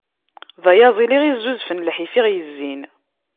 D ayaẓil i ɣ-izzuzfen lḥif, i ɣ-izzin.